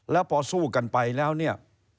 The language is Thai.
แล้วพอสู้กันไปแล้วเนี่ย